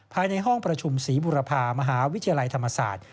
ภายในห้องประชุมศรีบุรพามหาวิทยาลัยธรรมศาสตร์